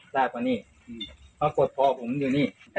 เขากดหัวผมอยู่นี่